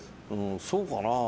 そうかなあ？